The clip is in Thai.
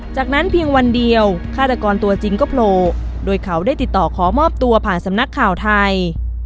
จากนั้นเพียงวันเดียวฆาตกรตัวจริงก็โผล่โดยเขาได้ติดต่อขอมอบตัวผ่านสำนักข่าวไทย